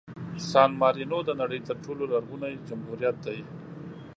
سان مارینو د نړۍ تر ټولو لرغوني جمهوریت دی.